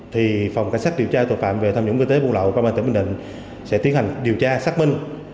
thì phòng cảnh sát điều tra tội phạm về tham dũng kinh tế vùng lậu quang bản tỉnh bình định sẽ tiến hành điều tra xác minh